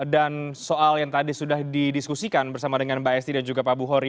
dan soal yang tadi sudah didiskusikan bersama dengan mbak esti dan juga pak abu hori